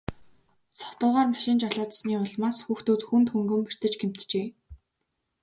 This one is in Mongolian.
Согтуугаар машин жолоодсоны улмаас хүүхдүүд хүнд хөнгөн бэртэж гэмтжээ.